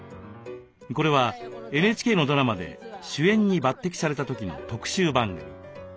これはＮＨＫのドラマで主演に抜てきされた時の特集番組。